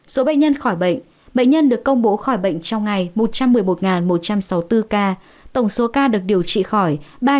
số bệnh nhân khỏi bệnh bệnh nhân được công bố khỏi bệnh trong ngày một trăm một mươi một một trăm sáu mươi bốn ca tổng số ca được điều trị khỏi ba ba trăm tám mươi ba